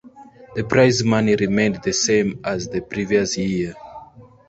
The prize money remained the same as the previous year.